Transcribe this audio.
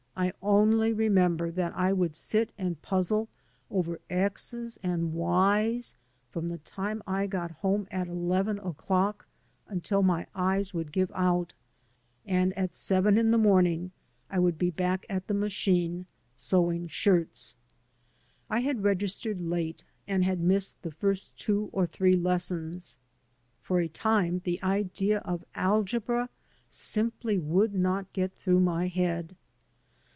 I only remember that I would sit and puzzle over x's and y's from the time I got home at eleven o'clock until my eyes would give out; and at seven in the morning I would be back at the machine sewing shirts. I had registered late, and had missed the first two or three lessons. For a time the idea of algebra simply would not get through my head.